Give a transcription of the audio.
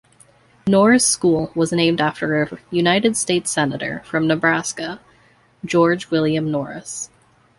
Norris School was named after a United States senator from Nebraska, George William Norris.